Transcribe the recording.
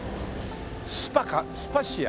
スパカスパシア？